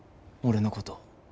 俺のこと。